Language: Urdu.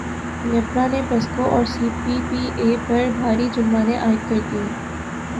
نیپرا نے پیسکو اور سی پی پی اے پر بھاری جرمانے عائد کردیے